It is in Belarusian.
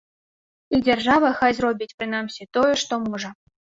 І дзяржава, хай зробіць прынамсі тое, што можа.